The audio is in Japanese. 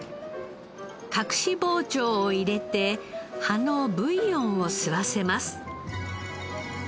隠し包丁を入れて葉のブイヨンを吸わせます。